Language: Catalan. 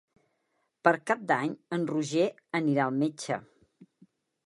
Per Cap d'Any en Roger anirà al metge.